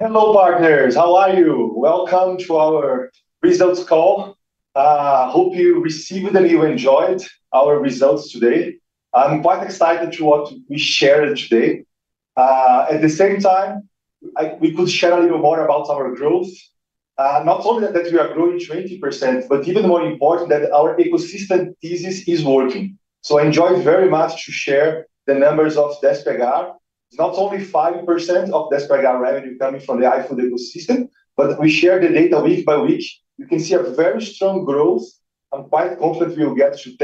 Hello, partners. How are you? Welcome to our results call. I hope you received and you enjoyed our results today. I'm quite excited to what we shared today. At the same time, we could share a little more about our growth. Not only that we are growing 20%, but even more important that our ecosystem thesis is working. I enjoyed very much to share the numbers of Despegar. It's not only 5% of Despegar revenue coming from the iFood ecosystem, but we share the data week by week. You can see a very strong growth. I'm quite confident we'll get to 10%,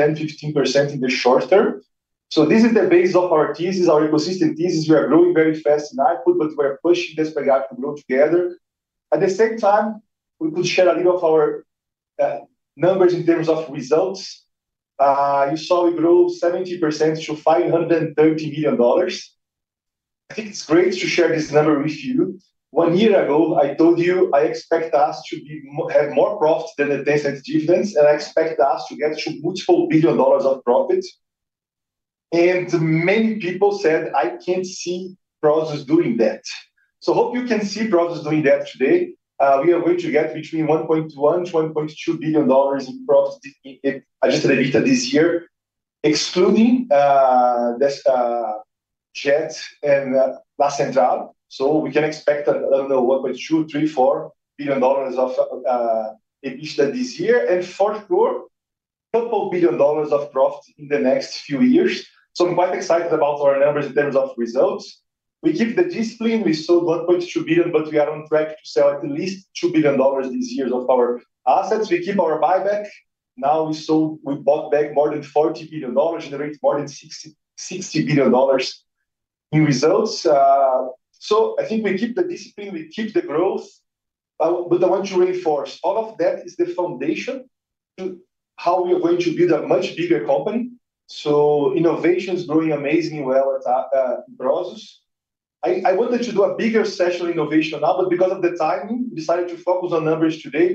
15% in the short term. This is the base of our thesis, our ecosystem thesis. We are growing very fast in iFood, but we are pushing Despegar to grow together. At the same time, we could share a little of our numbers in terms of results. You saw we grew 70% to $530 million. I think it's great to share this number with you. One year ago, I told you I expect us to have more profit than the 10% dividends, and I expect us to get to multiple billion dollars of profit. And many people said, "I can't see Naspers doing that." I hope you can see Naspers doing that today. We are going to get between $1.1-$1.2 billion in profit this year, excluding Jet and La Centrale. We can expect, I don't know, $1.2, $3, $4 billion of EBITDA this year. For sure, a couple of billion dollars of profit in the next few years. I'm quite excited about our numbers in terms of results. We keep the discipline. We sold $1.2 billion, but we are on track to sell at least $2 billion this year of our assets. We keep our buyback. Now we bought back more than $40 billion, generating more than $60 billion in results. I think we keep the discipline. We keep the growth. I want to reinforce all of that is the foundation to how we are going to build a much bigger company. Innovation is growing amazingly well at Naspers. I wanted to do a bigger session on innovation now, but because of the timing, we decided to focus on numbers today.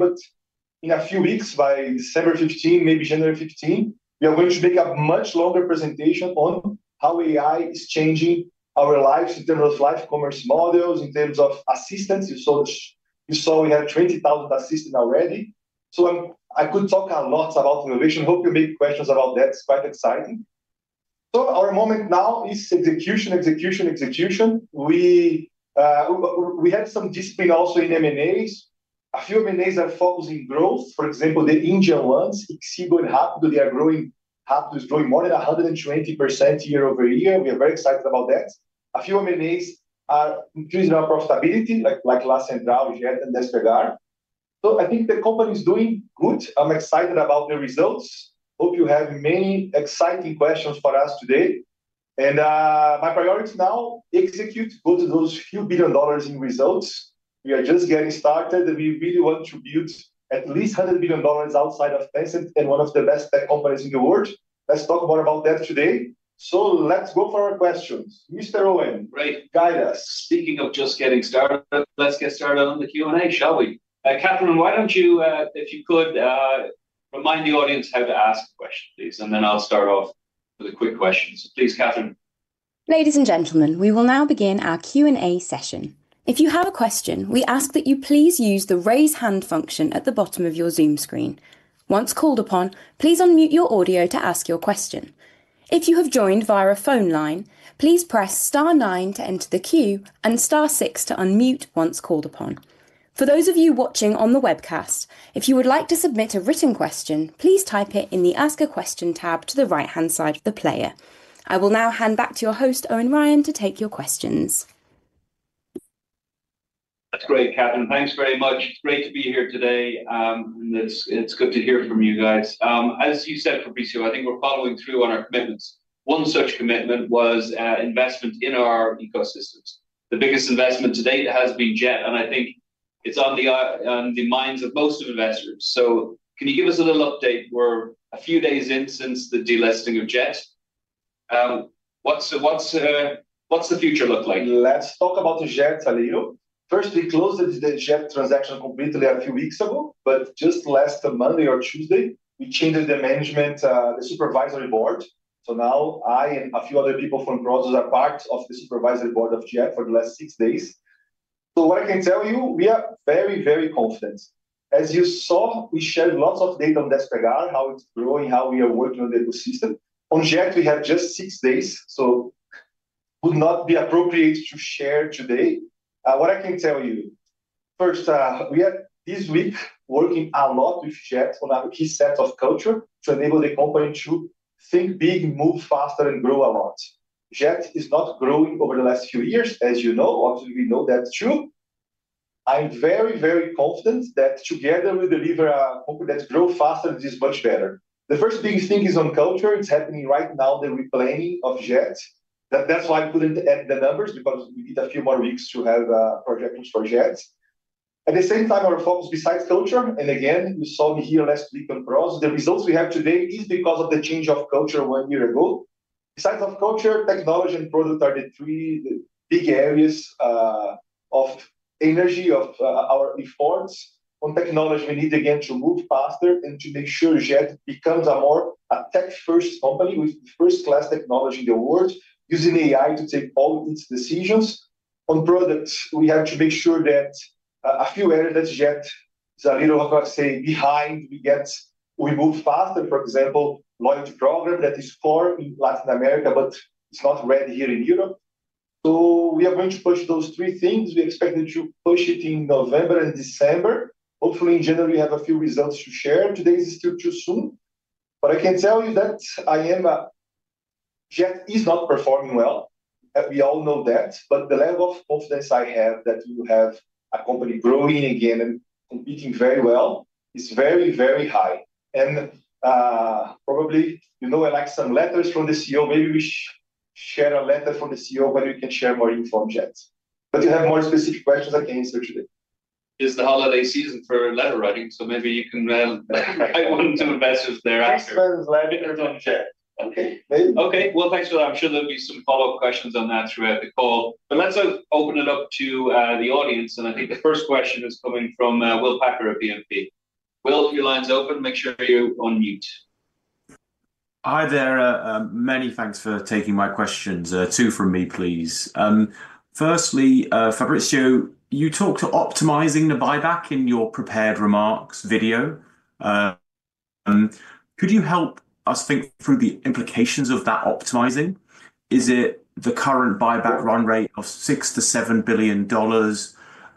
In a few weeks, by December 15, maybe January 15, we are going to make a much longer presentation on how AI is changing our lives in terms of life commerce models, in terms of assistance. You saw we had 20,000 assistants already. I could talk a lot about innovation. Hope you make questions about that. It's quite exciting. Our moment now is execution, execution, execution. We have some discipline also in M&As. A few M&As are focusing growth. For example, the Indian ones, Swiggy and Rapido, they are growing. Rapido is growing more than 120% year over year. We are very excited about that. A few M&As are increasing our profitability, like La Centrale, Jet, and Despegar. I think the company is doing good. I'm excited about the results. Hope you have many exciting questions for us today. My priority now is to execute, go to those few billion dollars in results. We are just getting started. We really want to build at least $100 billion outside of Tencent and one of the best tech companies in the world. Let's talk more about that today. Let's go for our questions. Mr. Owen, great. Guide us. Speaking of just getting started, let's get started on the Q&A, shall we? Catherine, why don't you, if you could, remind the audience how to ask questions, please? I will start off with a quick question. Please, Catherine. Ladies and gentlemen, we will now begin our Q&A session. If you have a question, we ask that you please use the raise hand function at the bottom of your Zoom screen. Once called upon, please unmute your audio to ask your question. If you have joined via a phone line, please press star nine to enter the queue and star six to unmute once called upon. For those of you watching on the webcast, if you would like to submit a written question, please type it in the Ask a Question tab to the right-hand side of the player. I will now hand back to your host, Owen Ryan, to take your questions. That's great, Catherine. Thanks very much. It's great to be here today. It's good to hear from you guys. As you said, Fabricio, I think we're following through on our commitments. One such commitment was investment in our ecosystems. The biggest investment to date has been Jet, and I think it's on the minds of most of investors. Can you give us a little update? We're a few days in since the delisting of Jet. What's the future look like? Let's talk about Jet a little. First, we closed the Jet transaction completely a few weeks ago, but just last Monday or Tuesday, we changed the management, the supervisory board. Now I and a few other people from Prosus are part of the supervisory board of Jet for the last six days. What I can tell you, we are very, very confident. As you saw, we shared lots of data on Despegar, how it's growing, how we are working on the ecosystem. On Jet, we have just six days, so it would not be appropriate to share today. What I can tell you, first, we are this week working a lot with Jet on our key sets of culture to enable the company to think big, move faster, and grow a lot. Jet is not growing over the last few years, as you know. Obviously, we know that's true. I'm very, very confident that together we deliver a company that grows faster and is much better. The first big thing is on culture. It's happening right now, the replanning of Jet. That's why I couldn't add the numbers, because we need a few more weeks to have projects for Jet. At the same time, our focus besides culture, and again, you saw me here last week on Rosas, the results we have today is because of the change of culture one year ago. Besides culture, technology and product are the three big areas of energy of our efforts. On technology, we need again to move faster and to make sure Jet becomes a more tech-first company with first-class technology in the world, using AI to take all its decisions. On products, we have to make sure that a few areas that Jet is a little, I say, behind. We move faster, for example, loyalty program that is for Latin America, but it is not ready here in Europe. We are going to push those three things. We expect to push it in November and December. Hopefully, in January, we have a few results to share. Today is still too soon. I can tell you that Jet is not performing well. We all know that. The level of confidence I have that we will have a company growing again and competing very well is very, very high. Probably, you know, I like some letters from the CEO. Maybe we share a letter from the CEO, but we can share more info on Jet. You have more specific questions I can answer today. It's the holiday season for letter writing, so maybe you can write one to investors thereafter. Christmas letters on Jet. Okay. Okay. Thanks for that. I'm sure there'll be some follow-up questions on that throughout the call. Let's open it up to the audience. I think the first question is coming from Will Packer at BNP. Will, your line's open. Make sure you unmute. Hi there. Many thanks for taking my questions. Two from me, please. Firstly, Fabricio, you talked to optimizing the buyback in your prepared remarks video. Could you help us think through the implications of that optimizing? Is it the current buyback run rate of $6 billion-$7 billion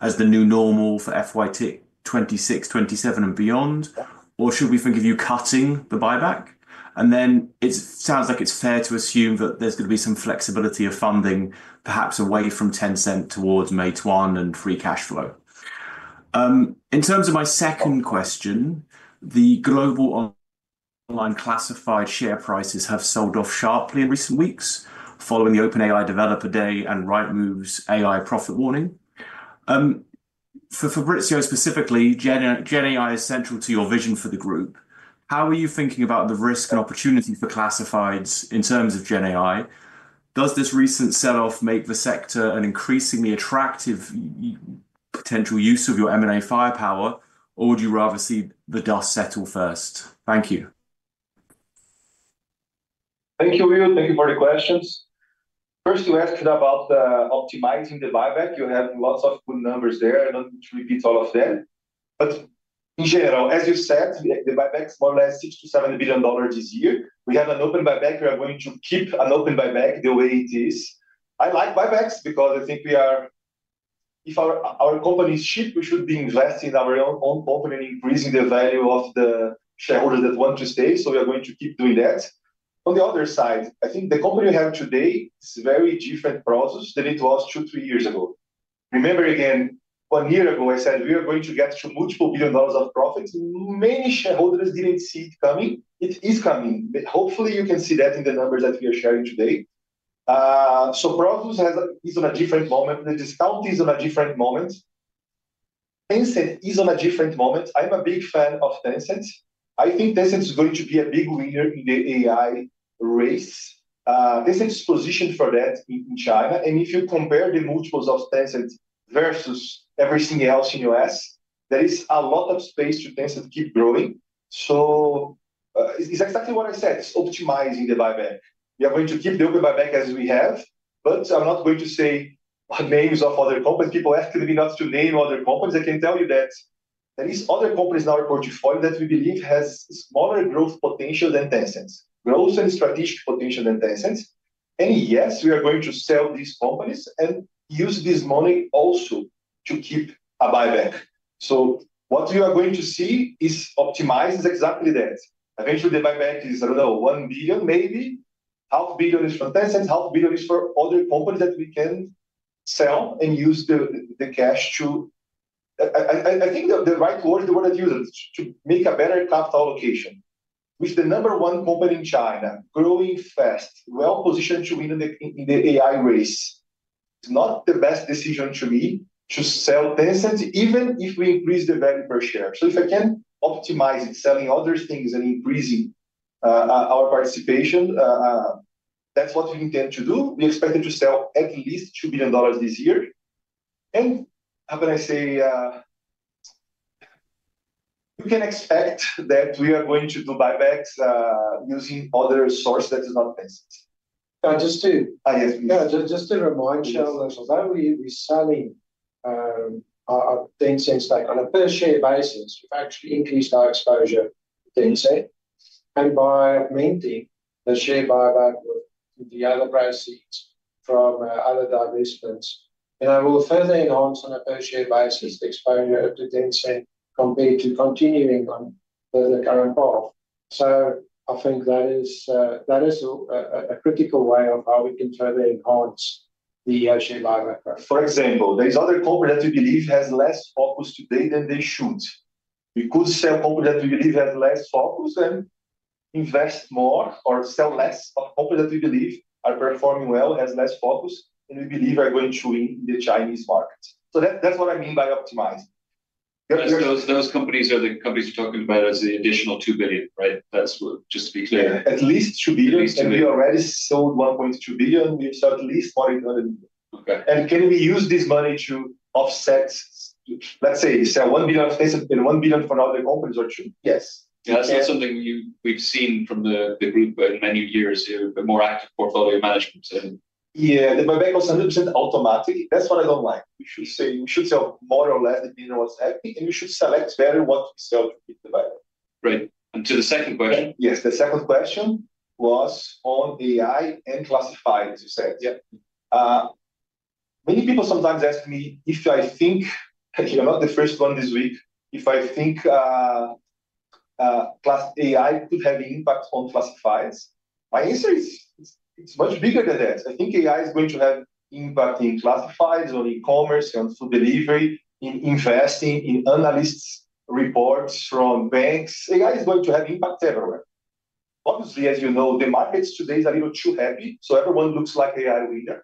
as the new normal for FY2026, 2027, and beyond? Or should we think of you cutting the buyback? It sounds like it's fair to assume that there's going to be some flexibility of funding, perhaps away from Tencent towards May 21 and free cash flow. In terms of my second question, the global online classified share prices have sold off sharply in recent weeks following the OpenAI Developer Day and Rightmove's AI profit warning. For Fabricio specifically, GenAI is central to your vision for the group. How are you thinking about the risk and opportunity for classifieds in terms of GenAI? Does this recent selloff make the sector an increasingly attractive potential use of your M&A firepower, or would you rather see the dust settle first? Thank you. Thank you, Will. Thank you for the questions. First, you asked about optimizing the buyback. You have lots of good numbers there. I do not need to repeat all of them. In general, as you said, the buyback is more or less $6 billion-$7 billion this year. We have an open buyback. We are going to keep an open buyback the way it is. I like buybacks because I think we are, if our company is cheap, we should be investing in our own company and increasing the value of the shareholders that want to stay. We are going to keep doing that. On the other side, I think the company we have today is a very different process than it was two, three years ago. Remember again, one year ago, I said we are going to get to multiple billion dollars of profits. Many shareholders did not see it coming. It is coming. Hopefully, you can see that in the numbers that we are sharing today. Prosus is on a different moment. The discount is on a different moment. Tencent is on a different moment. I am a big fan of Tencent. I think Tencent is going to be a big winner in the AI race. Tencent is positioned for that in China. If you compare the multiples of Tencent versus everything else in the US, there is a lot of space for Tencent to keep growing. It is exactly what I said. It is optimizing the buyback. We are going to keep the open buyback as we have, but I am not going to say names of other companies. People ask me not to name other companies. I can tell you that there are other companies in our portfolio that we believe have smaller growth potential than Tencent, growth and strategic potential than Tencent. Yes, we are going to sell these companies and use this money also to keep a buyback. What we are going to see is optimizing exactly that. Eventually, the buyback is, I don't know, $1 billion maybe. $500 million is from Tencent. $500 million is for other companies that we can sell and use the cash to, I think the right word, the word I've used, to make a better capital allocation. With the number one company in China growing fast, well-positioned to win in the AI race, it's not the best decision to me to sell Tencent, even if we increase the value per share. If I can optimize it, selling other things and increasing our participation, that's what we intend to do. We expect it to sell at least $2 billion this year. How can I say? You can expect that we are going to do buybacks using other sources that are not Tencent. Just to. Yes, please. Just to remind you, as I said, we're selling Tencent's stake on a per-share basis. We've actually increased our exposure to Tencent. By maintaining the share buyback with the other exits from other divestments, I will further enhance on a per-share basis the exposure to Tencent compared to continuing on the current path. I think that is a critical way of how we can further enhance the share buyback. For example, there are other companies that we believe have less focus today than they should. We could sell companies that we believe have less focus and invest more or sell less of companies that we believe are performing well, have less focus, and we believe are going to win in the Chinese market. That is what I mean by optimizing. Those companies are the companies you're talking about as the additional $2 billion, right? That's just to be clear. At least $2 billion. We already sold $1.2 billion. We've sold at least $40 billion. Okay. Can we use this money to offset, let's say, sell $1 billion to Tencent and $1 billion for other companies or two? Yes. That's something we've seen from the group in many years, a more active portfolio management. Yeah, the buyback was 100% automatic. That's what I don't like. We should sell more or less than what's happening, and we should select better what we sell to keep the buyback. Right. To the second question. Yes, the second question was on AI and classified, as you said. Many people sometimes ask me if I think, you're not the first one this week, if I think AI could have an impact on classifieds. My answer is it's much bigger than that. I think AI is going to have an impact in classifieds or e-commerce and food delivery, in investing, in analysts' reports from banks. AI is going to have impact everywhere. Obviously, as you know, the markets today are a little too happy, so everyone looks like an AI winner.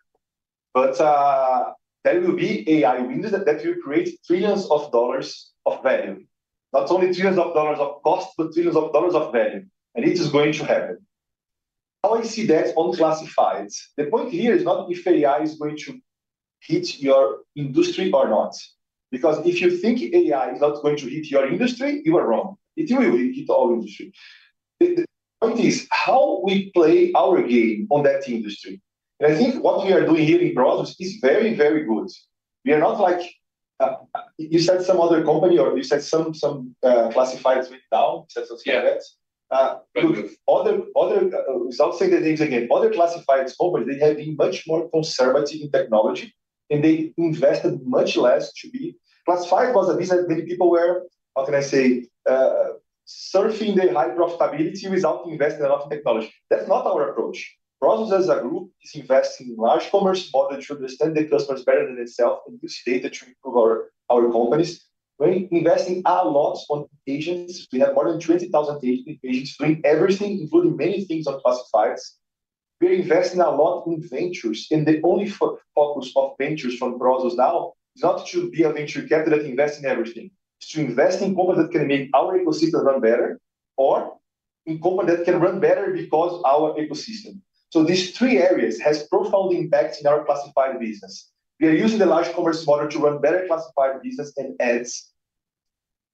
There will be AI winners that will create trillions of dollars of value, not only trillions of dollars of cost, but trillions of dollars of value. It is going to happen. How I see that on classifieds? The point here is not if AI is going to hit your industry or not. Because if you think AI is not going to hit your industry, you are wrong. It will hit all industries. The point is how we play our game on that industry. I think what we are doing here in Prosus is very, very good. We are not like, you said some other company or you said some classifieds went down. You said some things like that. Look, without saying their names again, other classifieds companies, they have been much more conservative in technology, and they invested much less to be. Classifieds was a business that many people were, how can I say, surfing the high profitability without investing a lot in technology. That is not our approach. Prosus, as a group, is investing in large commerce model to understand the customers better than itself and use data to improve our companies. We are investing a lot on agents. We have more than 20,000 agents doing everything, including many things on classifieds. We're investing a lot in ventures. The only focus of ventures from Prosus now is not to be a venture capital that invests in everything. It's to invest in companies that can make our ecosystem run better or in companies that can run better because of our ecosystem. These three areas have profound impacts in our classified business. We are using the large commerce model to run better classified business and ads.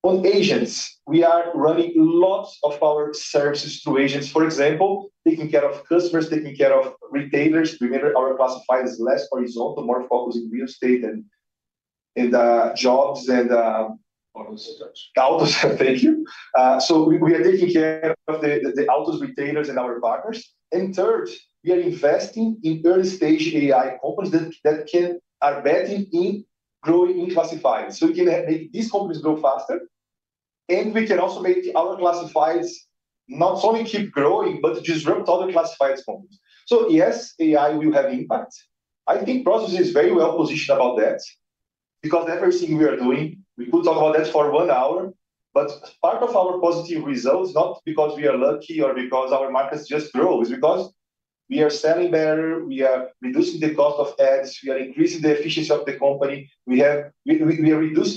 On agents, we are running lots of our services through agents, for example, taking care of customers, taking care of retailers. Remember, our classified is less horizontal, more focused in real estate and jobs and. Autos. Autos. Thank you. We are taking care of the autos, retailers, and our partners. Third, we are investing in early-stage AI companies that are betting in growing in classifieds. We can make these companies grow faster, and we can also make our classifieds not only keep growing, but disrupt other classified companies. Yes, AI will have impact. I think Prosus is very well positioned about that because everything we are doing, we could talk about that for one hour, but part of our positive results, not because we are lucky or because our markets just grow, is because we are selling better, we are reducing the cost of ads, we are increasing the efficiency of the company. We are reducing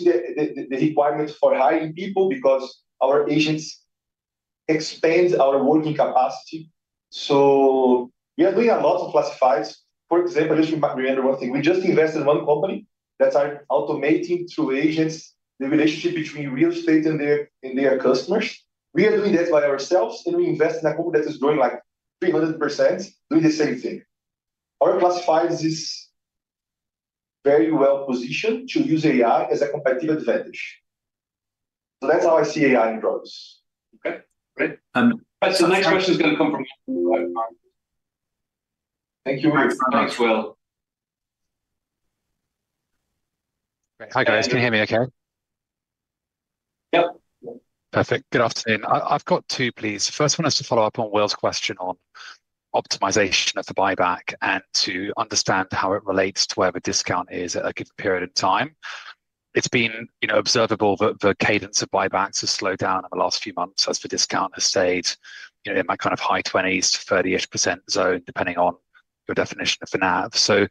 the requirement for hiring people because our agents expand our working capacity. We are doing a lot of classifieds. For example, just remember one thing. We just invested in one company that's automating through agents the relationship between real estate and their customers. We are doing that by ourselves, and we invest in a company that is growing like 300%, doing the same thing. Our classifieds are very well positioned to use AI as a competitive advantage. That is how I see AI in Naspers. Okay. Great. All right. The next question is going to come from. Thank you. Thanks, Will. Hi, guys. Can you hear me okay? Yep. Perfect. Good afternoon. I've got two, please. First one is to follow up on Will's question on optimization of the buyback and to understand how it relates to where the discount is at a given period of time. It's been observable that the cadence of buybacks has slowed down in the last few months as the discount has stayed in my kind of high 20s to 30% zone, depending on your definition of the NAV.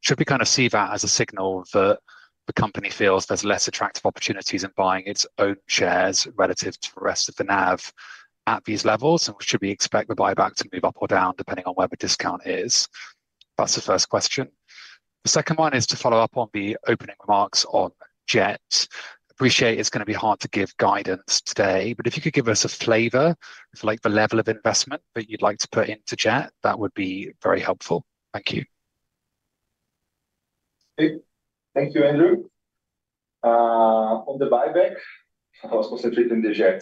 Should we kind of see that as a signal that the company feels there's less attractive opportunities in buying its own shares relative to the rest of the NAV at these levels, and should we expect the buyback to move up or down depending on where the discount is? That's the first question. The second one is to follow up on the opening remarks on Jet. Appreciate it's going to be hard to give guidance today, but if you could give us a flavor of the level of investment that you'd like to put into Jet, that would be very helpful. Thank you. Thank you, Andrew. On the buyback, I was concentrating on the Jet.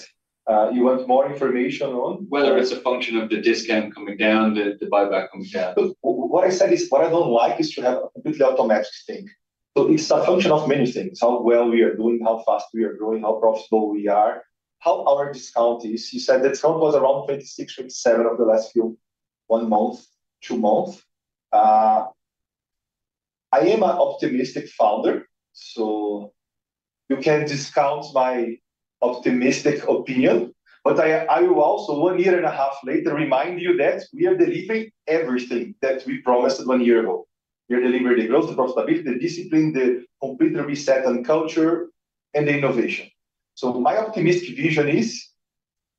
You want more information on? Whether it's a function of the discount coming down, the buyback coming down. What I said is what I do not like is to have a completely automatic thing. It is a function of many things: how well we are doing, how fast we are growing, how profitable we are, how our discount is. You said the discount was around 26%-27% of the last few, one month, two months. I am an optimistic founder, so you can discount my optimistic opinion. I will also, one year and a half later, remind you that we are delivering everything that we promised one year ago. We are delivering the growth, the profitability, the discipline, the complete reset on culture, and the innovation. My optimistic vision is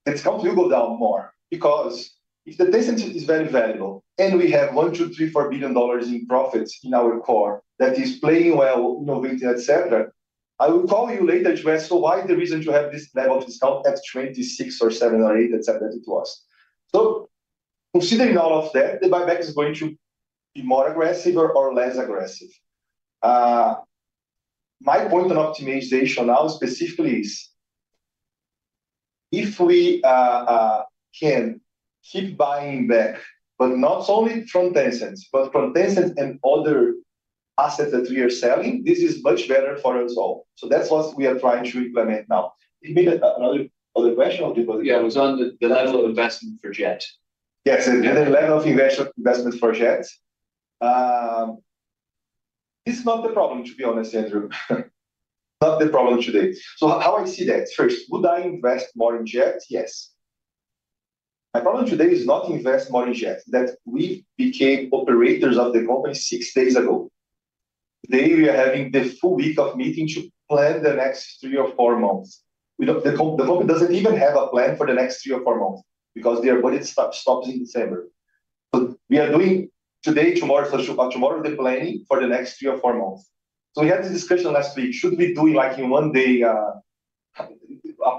the discount will go down more because if the Tencent is very valuable and we have $1, $2, $3, $4 billion in profits in our core that is playing well, innovating, et cetera, I will call you later and ask, "So why the reason to have this level of discount at 26 or 7 or 8, et cetera, that it was?" Considering all of that, the buyback is going to be more aggressive or less aggressive. My point on optimization now specifically is if we can keep buying back, but not only from Tencent, but from Tencent and other assets that we are selling, this is much better for us all. That is what we are trying to implement now. Give me another question. Yeah, it was on the level of investment for Jet. Yes, the level of investment for Jet. This is not the problem, to be honest, Andrew. Not the problem today. How I see that? First, would I invest more in Jet? Yes. My problem today is not to invest more in Jet, that we became operators of the company six days ago. Today, we are having the full week of meeting to plan the next three or four months. The company does not even have a plan for the next three or four months because their budget stops in December. We are doing today, tomorrow, tomorrow, the planning for the next three or four months. We had this discussion last week. Should we do like in one day a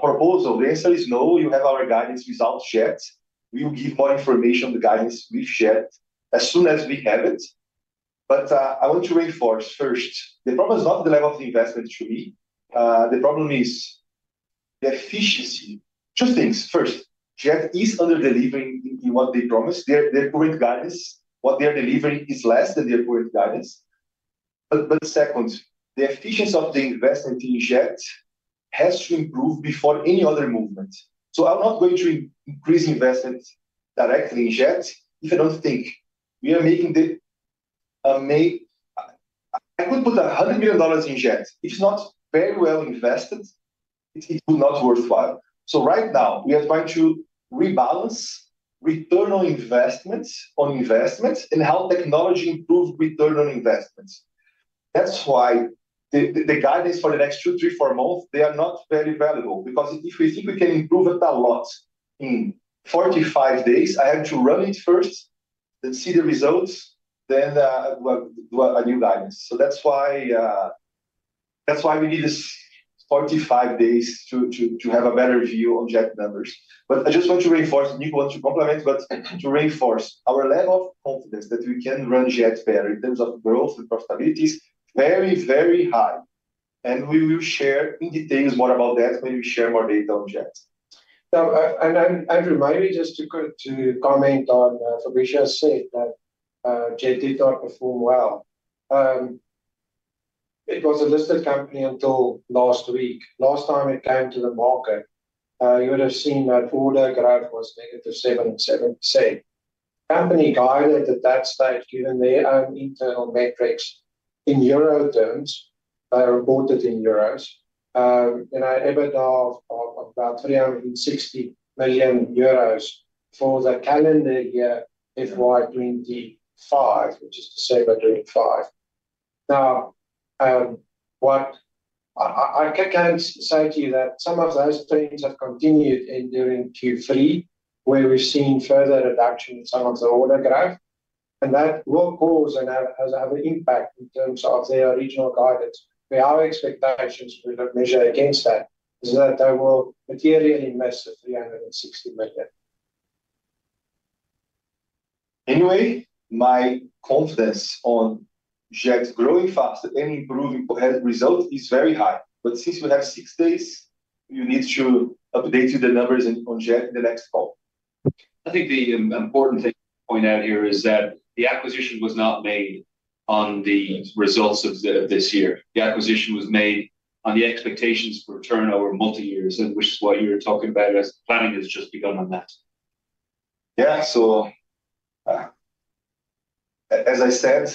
proposal? The answer is no. You have our guidance without Jet. We will give more information, the guidance with Jet, as soon as we have it. I want to reinforce first, the problem is not the level of investment to me. The problem is the efficiency. Two things. First, Jet is under delivering what they promised. Their current guidance, what they are delivering, is less than their current guidance. Second, the efficiency of the investment in Jet has to improve before any other movement. I'm not going to increase investment directly in Jet if I do not think we are making the I could put $100 million in Jet. If it is not very well invested, it will not be worthwhile. Right now, we are trying to rebalance return on investments and how technology improves return on investments. That's why the guidance for the next two, three, four months, they are not very valuable because if we think we can improve it a lot in 45 days, I have to run it first, then see the results, then do a new guidance. That is why we need 45 days to have a better view on Jet numbers. I just want to reinforce, Nick wants to complement, to reinforce our level of confidence that we can run Jet better in terms of growth and profitability is very, very high. We will share in details more about that when we share more data on Jet. Andrew, just to comment on Fabricio's saying that Jet did not perform well. It was a listed company until last week. Last time it came to the market, you would have seen that order graph was negative 77%. The company guided at that stage, given their own internal metrics in euro terms, reported in 360 million euros EBITDA for the calendar year FY2025, which is December 2025. Now, I can say to you that some of those trends have continued during Q3, where we've seen further reduction in some of the order graph, and that will cause another impact in terms of their original guidance. Our expectations will measure against that, is that they will materially miss the EUR 360 million. Anyway, my confidence on Jet growing faster and improving results is very high. Since we have six days, you need to update you the numbers on Jet in the next call. I think the important thing to point out here is that the acquisition was not made on the results of this year. The acquisition was made on the expectations for turnover multi-years, which is what you were talking about as planning has just begun on that. Yeah. As I said,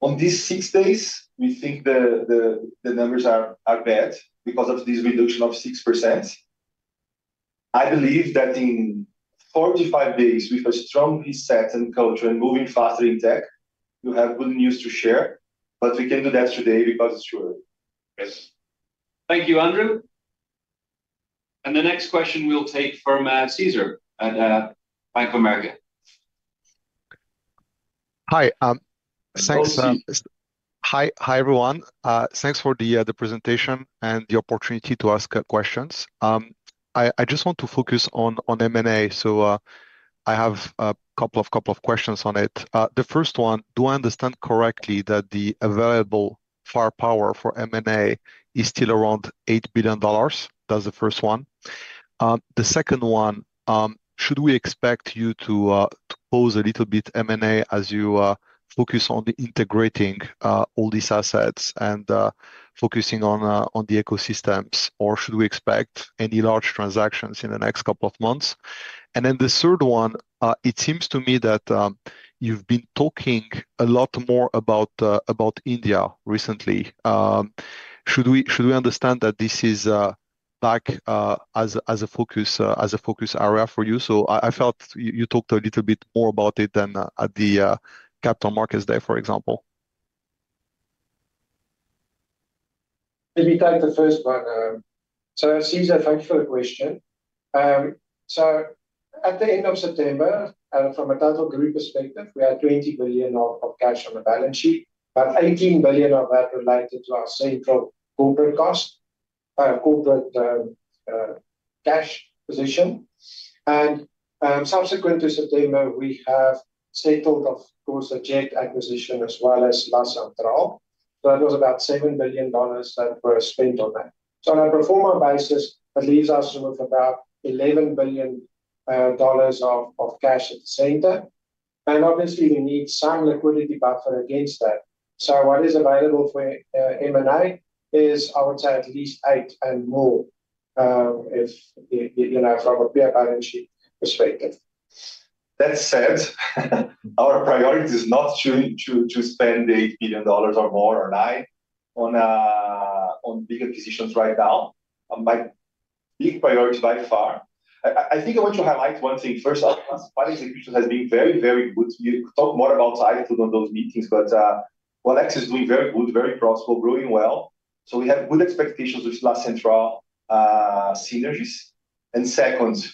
on these six days, we think the numbers are bad because of this reduction of 6%. I believe that in 45 days, with a strong reset and culture and moving faster in tech, we'll have good news to share. We can do that today because it's true. Yes. Thank you, Andrew. The next question we'll take from Cesar at Bank of America. Hi. Hello. Hi, everyone. Thanks for the presentation and the opportunity to ask questions. I just want to focus on M&A, so I have a couple of questions on it. The first one, do I understand correctly that the available firepower for M&A is still around $8 billion? That's the first one. The second one, should we expect you to close a little bit M&A as you focus on integrating all these assets and focusing on the ecosystems, or should we expect any large transactions in the next couple of months? The third one, it seems to me that you've been talking a lot more about India recently. Should we understand that this is back as a focus area for you? I felt you talked a little bit more about it than at the Capital Markets Day, for example. Let me take the first one. Cesar, thank you for the question. At the end of September, from a total group perspective, we had $20 billion of cash on the balance sheet, but $18 billion of that related to our central corporate cost, corporate cash position. Subsequent to September, we have settled, of course, the Jet acquisition as well as La Centrale. That was about $7 billion that were spent on that. On a pro forma basis, that leaves us with about $11 billion of cash at the center. Obviously, we need some liquidity buffer against that. What is available for M&A is, I would say, at least $8 billion and more from a peer balance sheet perspective. That said, our priority is not to spend the $8 billion or more on bigger positions right now. My big priority by far, I think I want to highlight one thing. First, our qualities and features have been very, very good. We talk more about iFood on those meetings, but OLX is doing very good, very profitable, growing well. We have good expectations with La Centrale synergies. Second,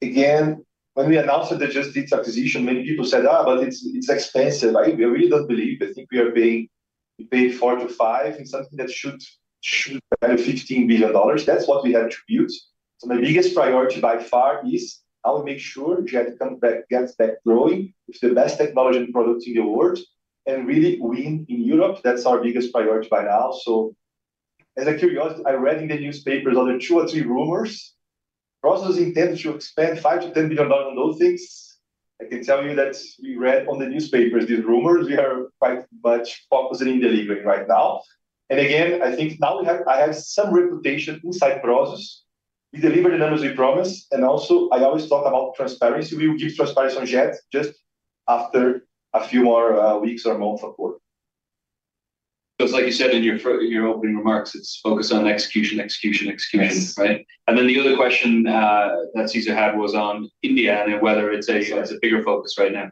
again, when we announced that they just did the acquisition, many people said, "but it's expensive." I really don't believe it. I think we are paying $4 billion-$5 billion in something that should be $15 billion. That's what we have to build. My biggest priority by far is how we make sure Jet gets back growing with the best technology and products in the world and really win in Europe. That's our biggest priority by now. As a curiosity, I read in the newspapers other two or three rumors. Prosus intends to expand $5 billion-$10 billion on those things. I can tell you that we read in the newspapers these rumors. We are quite much focusing on delivering right now. I think now I have some reputation inside Prosus. We deliver the numbers we promised. I always talk about transparency. We will give transparency on Jet just after a few more weeks or months of work. It is like you said in your opening remarks, it is focus on execution, execution, execution, right? The other question that Cesar had was on India, and whether it is a bigger focus right now.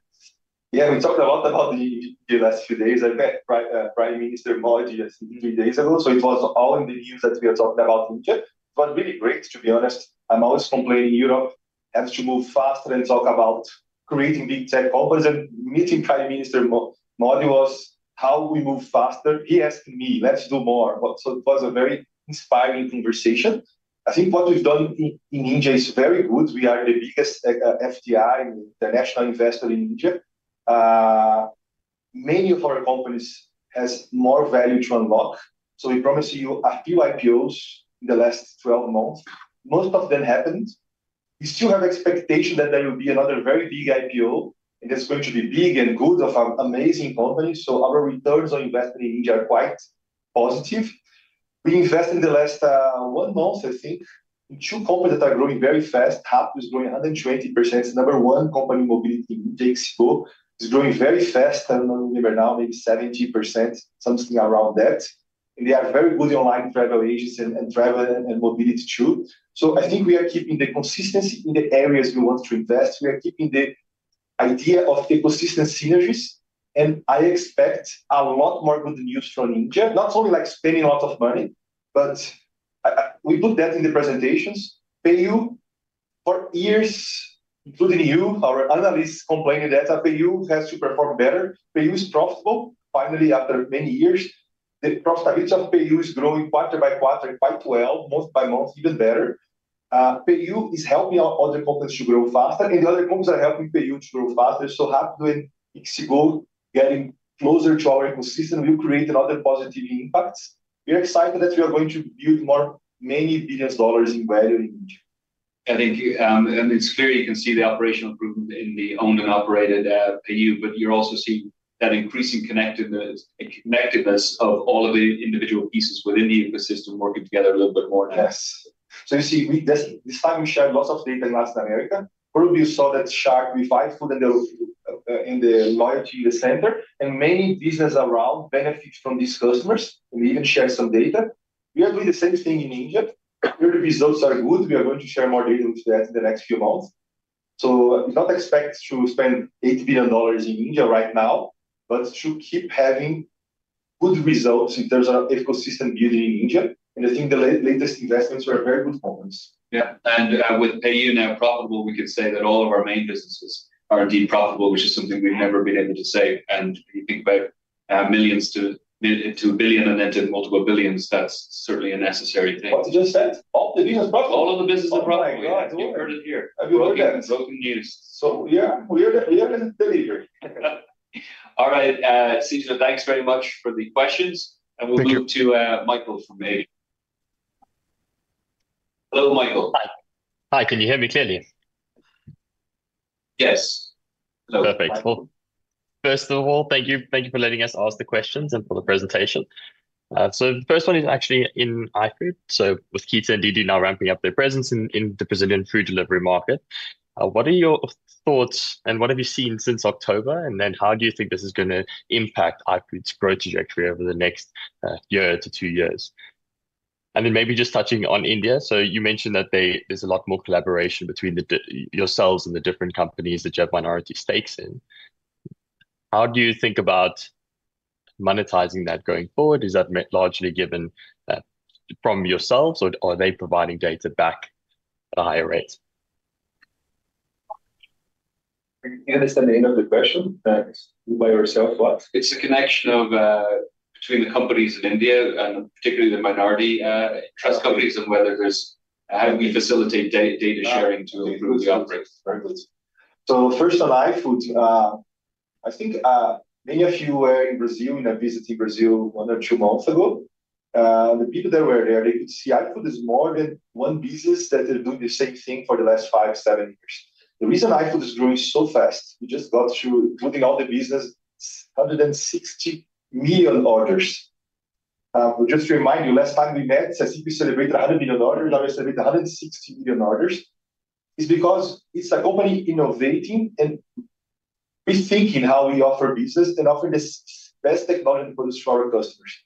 Yeah, we talked a lot about India the last few days. I met Prime Minister Modi just three days ago. It was all in the news that we are talking about India. It was really great, to be honest. I'm always complaining Europe has to move faster and talk about creating big tech companies. Meeting Prime Minister Modi was how we move faster. He asked me, "Let's do more." It was a very inspiring conversation. I think what we've done in India is very good. We are the biggest FDI, international investor in India. Many of our companies have more value to unlock. We promised you a few IPOs in the last 12 months. Most of them happened. We still have expectations that there will be another very big IPO, and it's going to be big and good of an amazing company. Our returns on investment in India are quite positive. We invested in the last one month, I think, in two companies that are growing very fast. Rapido is growing 120%. It is the number one company in mobility in India. Despegar is growing very fast. I do not remember now, maybe 70%, something around that. They are very good in online travel agents and travel and mobility too. I think we are keeping the consistency in the areas we want to invest. We are keeping the idea of ecosystem synergies. I expect a lot more good news from India, not only like spending a lot of money, but we put that in the presentations. PayU, for years, including you, our analysts complaining that PayU has to perform better. PayU is profitable. Finally, after many years, the profitability of PayU is growing quarter by quarter, quite well, month by month, even better. PayU is helping other companies to grow faster, and the other companies are helping PayU to grow faster. Hapus and Swiggy getting closer to our ecosystem will create a lot of positive impacts. We are excited that we are going to build more many billions of dollars in value in India. Thank you. It is clear you can see the operational improvement in the owned and operated PayU, but you are also seeing that increasing connectedness of all of the individual pieces within the ecosystem working together a little bit more now. Yes. You see, this time we shared lots of data in Latin America. Probably you saw that, Shark, we fight for them in the loyalty in the center, and many businesses around benefit from these customers. We even shared some data. We are doing the same thing in India. The results are good. We are going to share more data with that in the next few months. We do not expect to spend $8 billion in India right now, but to keep having good results in terms of ecosystem building in India. I think the latest investments were very good companies. Yeah. With PayU now profitable, we could say that all of our main businesses are indeed profitable, which is something we've never been able to say. When you think about millions to a billion and then to multiple billions, that's certainly a necessary thing. What you just said? All the businesses profitable. All of the businesses profitable. You heard it here. Have you heard that? We have been breaking news. Yeah, we are in delivery. All right. Cesar, thanks very much for the questions. We will move to Michael from AV. Hello, Michael. Hi. Can you hear me clearly? Yes. Perfect. First of all, thank you for letting us ask the questions and for the presentation. The first one is actually in iFood. With Kita and Didi now ramping up their presence in the Brazilian food delivery market, what are your thoughts and what have you seen since October? How do you think this is going to impact iFood's growth trajectory over the next year to two years? Maybe just touching on India. You mentioned that there's a lot more collaboration between yourselves and the different companies that you have minority stakes in. How do you think about monetizing that going forward? Is that largely given from yourselves, or are they providing data back at a higher rate? Can you understand the end of the question by yourself, what? It's a connection between the companies in India and particularly the minority trust companies and whether there's how we facilitate data sharing to improve the operations. First on iFood, I think many of you were in Brazil and I visited Brazil one or two months ago. The people that were there, they could see iFood is more than one business that is doing the same thing for the last five to seven years. The reason iFood is growing so fast, we just got through, including all the business, 160 million orders. Just to remind you, last time we met, I think we celebrated 100 million orders. Now we celebrate 160 million orders. It is because it is a company innovating and rethinking how we offer business and offering the best technology and products to our customers.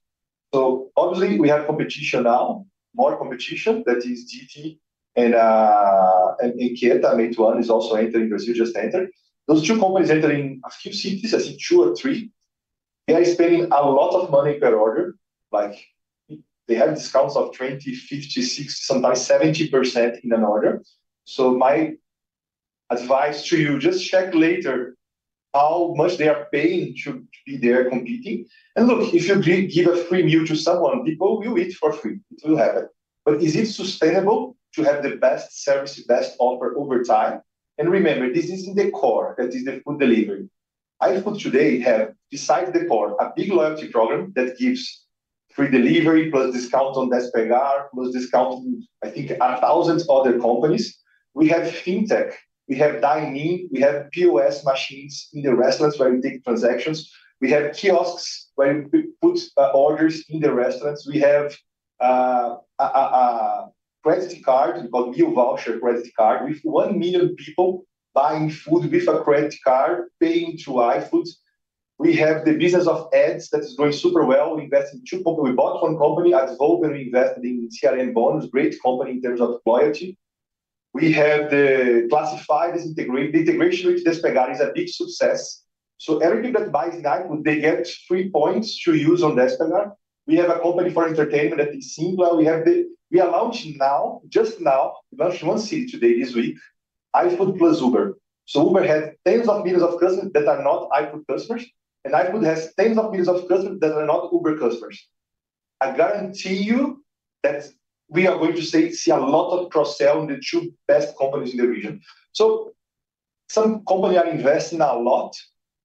Obviously, we have competition now, more competition. That is Didi and Meituan. Meituan is also entering Brazil, just entered. Those two companies entering a few cities, I think two or three. They are spending a lot of money per order. They have discounts of 20%, 50%, 60%, sometimes 70% in an order. My advice to you, just check later how much they are paying to be there competing. Look, if you give a free meal to someone, people will eat for free. It will happen. Is it sustainable to have the best service, best offer over time? Remember, this is in the core, that is the food delivery. iFood today has, besides the core, a big loyalty program that gives free delivery plus discount on Despegar, plus discount on, I think, 1,000 other companies. We have FinTech. We have Dining. We have POS machines in the restaurants where we take transactions. We have kiosks where we put orders in the restaurants. We have a credit card, called Meal Voucher Credit Card, with 1 million people buying food with a credit card, paying through iFood. We have the business of ads that is going super well. We invest in two companies. We bought one company, Advogo, and we invested in CRN Bonus, great company in terms of loyalty. We have the classifieds, the integration with Despegar is a big success. Everybody that buys in iFood, they get three points to use on Despegar. We have a company for entertainment at the Simba. We are launching now, just now, we launched one city today, this week, iFood plus Uber. Uber had tens of millions of customers that are not iFood customers, and iFood has tens of millions of customers that are not Uber customers. I guarantee you that we are going to see a lot of cross-sell in the two best companies in the region. Some companies are investing a lot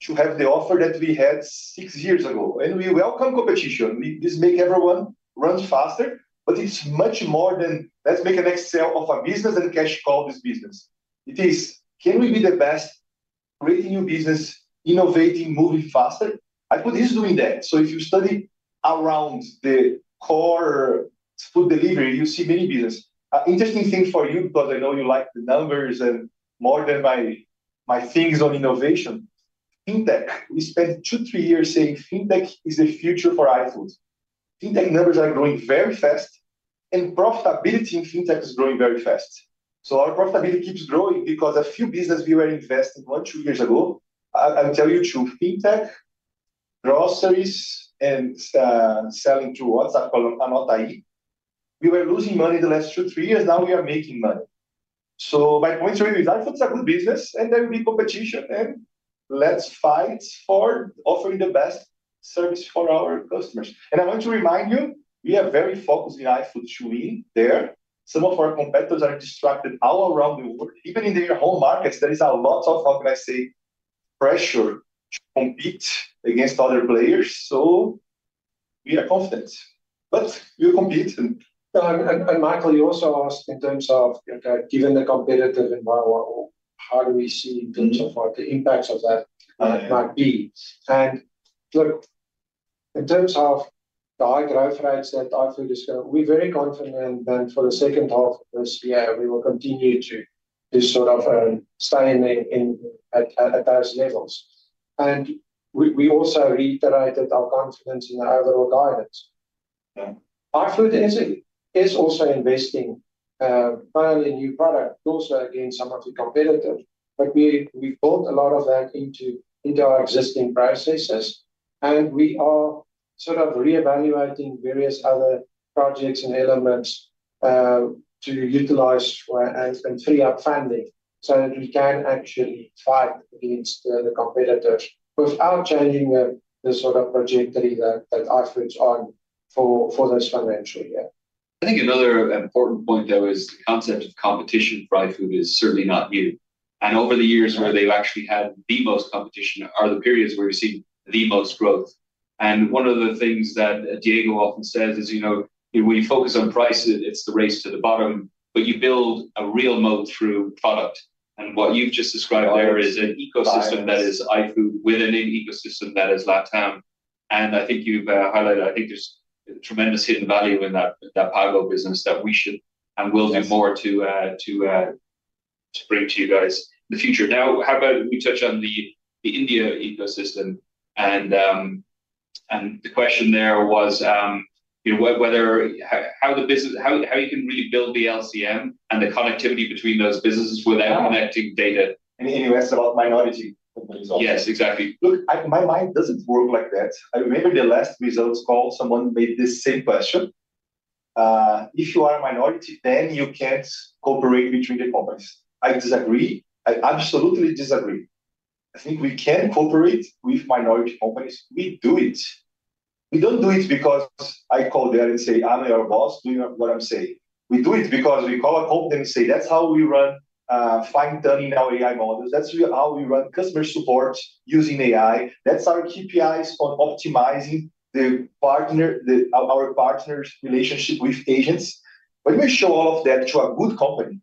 to have the offer that we had six years ago. We welcome competition. This makes everyone run faster, but it's much more than let's make an Excel of a business and cash call this business. It is, can we be the best, creating new business, innovating, moving faster? iFood is doing that. If you study around the core food delivery, you see many businesses. Interesting thing for you, because I know you like the numbers and more than my things on innovation. FinTech, we spent two, three years saying FinTech is the future for iFood. FinTech numbers are growing very fast, and profitability in FinTech is growing very fast. Our profitability keeps growing because a few businesses we were investing in one, two years ago, I'll tell you true, FinTech, groceries, and selling through WhatsApp, AnotAI, we were losing money the last two, three years. Now we are making money. My point to you is iFood is a good business, and there will be competition, and let's fight for offering the best service for our customers. I want to remind you, we are very focused in iFood to win there. Some of our competitors are distracted all around the world. Even in their home markets, there is a lot of, how can I say, pressure to compete against other players. We are confident, but we will compete. Michael, you also asked in terms of given the competitive environment, how do we see in terms of what the impacts of that might be? Look, in terms of the high growth rates that iFood is going, we're very confident that for the second half of this year, we will continue to sort of stay at those levels. We also reiterated our confidence in the overall guidance. iFood is also investing not only in new products, but also against some of the competitors. We have built a lot of that into our existing processes. We are sort of reevaluating various other projects and elements to utilize and free up funding so that we can actually fight against the competitors without changing the sort of trajectory that iFood is on for this financial year. I think another important point, though, is the concept of competition for iFood is certainly not new. Over the years where they've actually had the most competition are the periods where you've seen the most growth. One of the things that Diego often says is, you know, when you focus on prices, it's the race to the bottom, but you build a real moat through product. What you've just described there is an ecosystem that is iFood with an ecosystem that is Latam. I think you've highlighted, I think there's tremendous hidden value in that Pago business that we should and will do more to bring to you guys in the future. Now, how about we touch on the India ecosystem? The question there was how you can really build the LCM and the connectivity between those businesses without connecting data. You asked about minority companies also. Yes, exactly. Look, my mind doesn't work like that. I remember the last results call, someone made this same question. If you are a minority, then you can't cooperate between the companies. I disagree. I absolutely disagree. I think we can cooperate with minority companies. We do it. We don't do it because I call there and say, I'm your boss, doing what I'm saying. We do it because we call a company and say, that's how we run fine-tuning our AI models. That's how we run customer support using AI. That's our KPIs on optimizing our partners' relationship with agents. When we show all of that to a good company,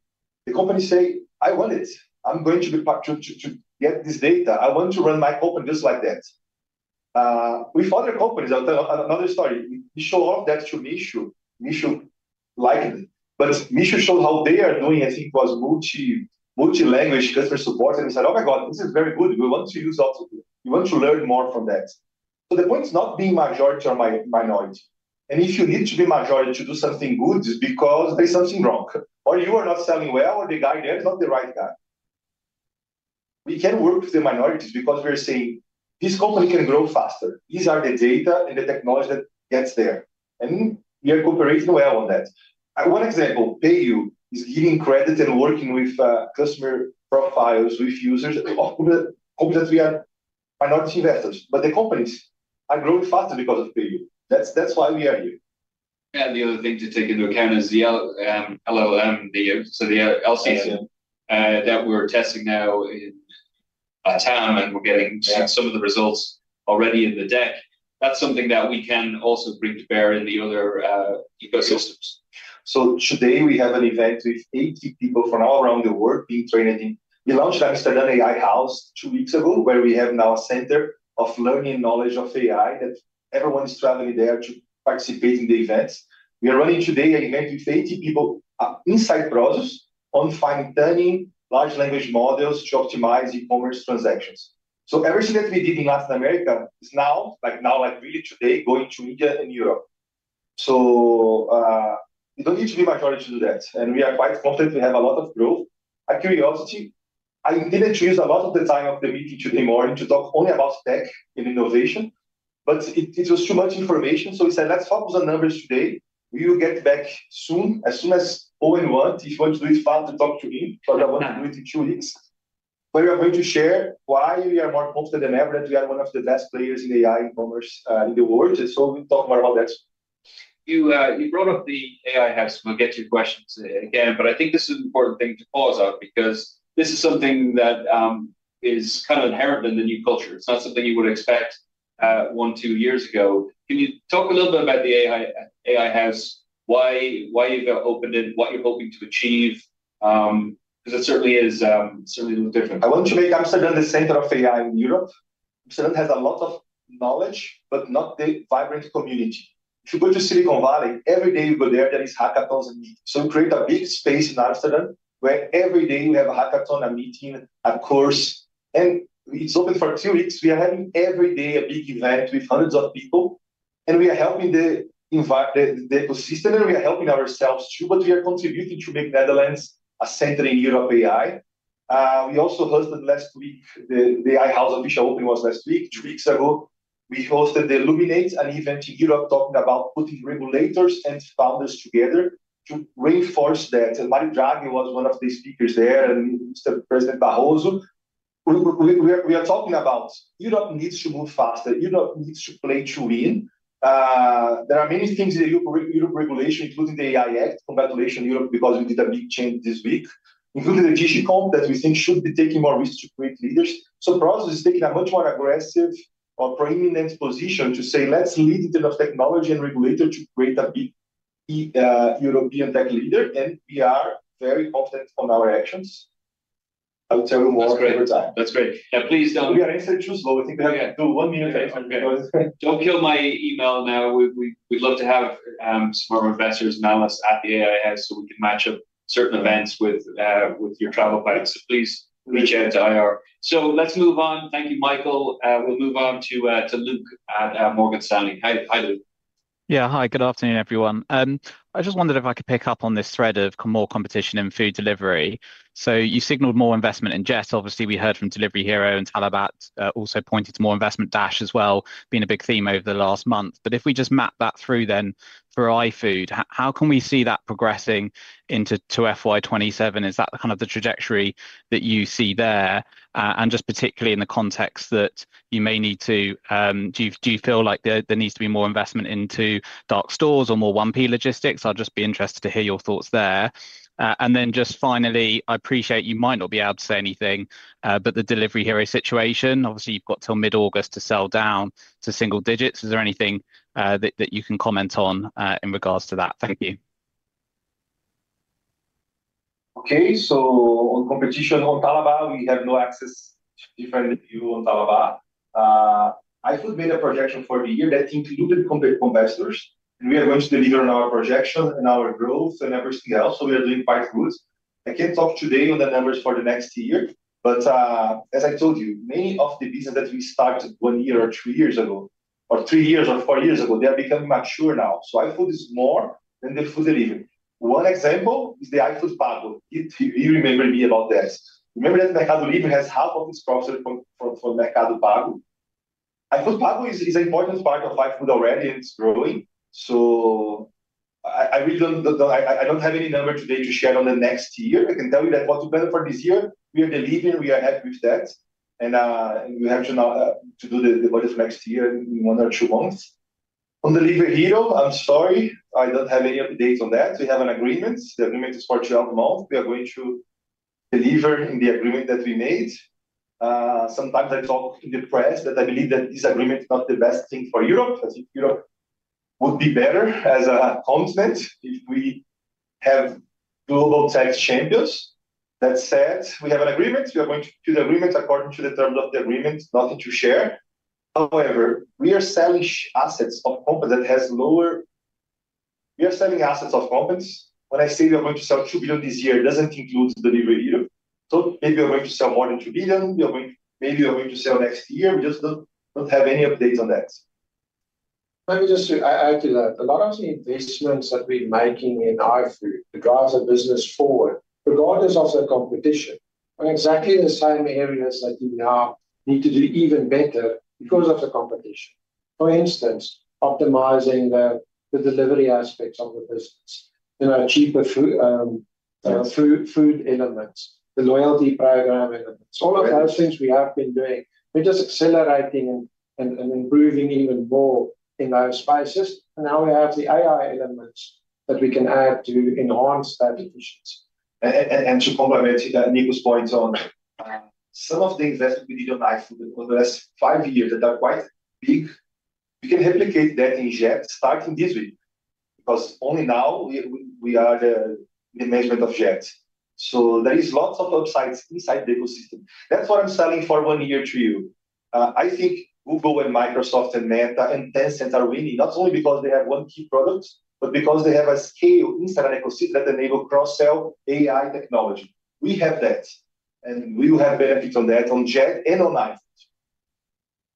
the company say, I want it. I'm going to get this data. I want to run my company just like that. With other companies, another story. We show all of that to Meesho. Meesho liked it. Mishu showed how they are doing, I think, was multi-language customer support. He said, oh my God, this is very good. We want to use all of it. We want to learn more from that. The point is not being majority or minority. If you need to be majority to do something good, it's because there's something wrong. Or you are not selling well, or the guy there is not the right guy. We can work with the minorities because we're saying, this company can grow faster. These are the data and the technology that gets there. We are cooperating well on that. One example, PayU is giving credit and working with customer profiles, with users, hoping that we are minority investors. The companies are growing faster because of PayU. That's why we are here. Yeah, the other thing to take into account is the LLM, so the LCM that we're testing now in Latam, and we're getting some of the results already in the deck. That's something that we can also bring to bear in the other ecosystems. Today, we have an event with 80 people from all around the world being trained. We launched Amsterdam AI House two weeks ago, where we have now a center of learning and knowledge of AI that everyone is traveling there to participate in the event. We are running today an event with 80 people inside Prosus on fine-tuning large language models to optimize e-commerce transactions. Everything that we did in Latin America is now, like now, like really today, going to India and Europe. We do not need to be majority to do that. We are quite confident we have a lot of growth. Out of curiosity, I intended to use a lot of the time of the meeting today morning to talk only about tech and innovation, but it was too much information. We said, let's focus on numbers today. We will get back soon, as soon as Owen wants. He wants to do it fast to talk to him, but I want to do it in two weeks. We are going to share why we are more confident than ever that we are one of the best players in AI e-commerce in the world. We will talk more about that. You brought up the AI hack, so we'll get to your questions again. I think this is an important thing to pause on because this is something that is kind of inherent in the new culture. It's not something you would expect one, two years ago. Can you talk a little bit about the AI House, why you've opened it, what you're hoping to achieve? Because it certainly is certainly a little different. I want to make Amsterdam the center of AI in Europe. Amsterdam has a lot of knowledge, but not the vibrant community. If you go to Silicon Valley, every day you go there, there are hackathons. We create a big space in Amsterdam where every day we have a hackathon, a meeting, a course. It is open for two weeks. We are having every day a big event with hundreds of people. We are helping the ecosystem, and we are helping ourselves too, but we are contributing to make Netherlands a center in Europe AI. We also hosted last week, the AI House official opening was last week, two weeks ago. We hosted the Illuminate, an event in Europe talking about putting regulators and founders together to reinforce that. Mario Draghi was one of the speakers there and Mr. President Barroso. We are talking about Europe needs to move faster. Europe needs to play to win. There are many things in the European regulation, including the AI Act. Congratulations, Europe, because we did a big change this week, including the Digicomp that we think should be taking more risks to create leaders. Prosus is taking a much more aggressive or preeminent position to say, let's lead in terms of technology and regulator to create a big European tech leader. We are very confident on our actions. I will tell you more every time. That's great. Yeah, please don't. We are answering truthfully. We think we have to do one minute. Don't kill my email now. We'd love to have some more investors and analysts at the AI House so we can match up certain events with your travel buddies. Please reach out to IR. Let's move on. Thank you, Michael. We'll move on to Luke at Morgan Stanley. Hi, Luke. Yeah, hi, good afternoon, everyone. I just wondered if I could pick up on this thread of more competition in food delivery. You signaled more investment in Jet. Obviously, we heard from Delivery Hero and Talabat also pointed to more investment, Dash as well, being a big theme over the last month. If we just map that through then for iFood, how can we see that progressing into FY2027? Is that kind of the trajectory that you see there? Just particularly in the context that you may need to, do you feel like there needs to be more investment into dark stores or more 1P logistics? I would just be interested to hear your thoughts there. Finally, I appreciate you might not be able to say anything, but the Delivery Hero situation, obviously you have till mid-August to sell down to single digits. Is there anything that you can comment on in regards to that? Thank you. Okay, on competition on Talabat, we have no access to different view on Talabat. iFood made a projection for the year that included competitors. We are going to deliver on our projection and our growth and everything else. We are doing quite good. I can't talk today on the numbers for the next year, but as I told you, many of the businesses that we started one year or two years ago, or three years or four years ago, they are becoming mature now. iFood is more than the food delivery. One example is the iFood Pago. You remember me about that. Remember that Mercado Libre has half of its profits from Mercado Pago? iFood Pago is an important part of iFood already, and it's growing. I really don't have any number today to share on the next year. I can tell you that what we plan for this year, we are delivering. We are happy with that. We have to do the budget for next year in one or two months. On Delivery Hero, I'm sorry, I don't have any updates on that. We have an agreement. The agreement is for 12 months. We are going to deliver in the agreement that we made. Sometimes I talk in the press that I believe that this agreement is not the best thing for Europe. I think Europe would be better as a continent if we have global tech champions. That said, we have an agreement. We are going to do the agreement according to the terms of the agreement, nothing to share. However, we are selling assets of companies that have lower. We are selling assets of companies. When I say we are going to sell $2 billion this year, it doesn't include Delivery Hero. Maybe we are going to sell more than $2 billion. Maybe we are going to sell next year. We just don't have any updates on that. Let me just add to that. A lot of the investments that we're making in iFood to drive the business forward, regardless of the competition, are exactly the same areas that we now need to do even better because of the competition. For instance, optimizing the delivery aspects of the business, cheaper food elements, the loyalty program elements, all of those things we have been doing. We're just accelerating and improving even more in those spaces. Now we have the AI elements that we can add to enhance that efficiency. To complement Nico's point on some of the investments we did on iFood over the last five years that are quite big, we can replicate that in Jet starting this week because only now we are the management of Jet. There are lots of upsides inside the ecosystem. That is what I am selling for one year to you. I think Google and Microsoft and Meta and Tencent are winning, not only because they have one key product, but because they have a scale inside an ecosystem that enables cross-sell AI technology. We have that, and we will have benefits on that on Jet and on iFood.